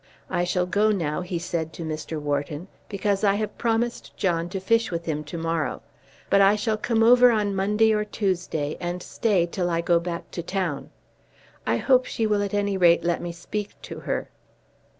"I shall go now," he said to Mr. Wharton, "because I have promised John to fish with him to morrow, but I shall come over on Monday or Tuesday, and stay till I go back to town. I hope she will at any rate let me speak to her."